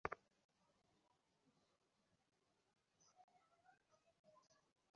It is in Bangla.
জানো, আমি ভাবছি এটা হয়তো আমার চালানোর জন্য ভালো সময় হবে।